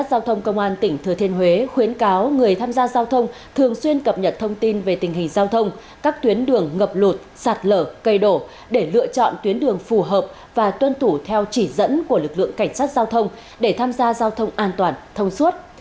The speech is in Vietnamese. giao thông công an tỉnh thừa thiên huế khuyến cáo người tham gia giao thông thường xuyên cập nhật thông tin về tình hình giao thông các tuyến đường ngập lụt sạt lở cây đổ để lựa chọn tuyến đường phù hợp và tuân thủ theo chỉ dẫn của lực lượng cảnh sát giao thông để tham gia giao thông an toàn thông suốt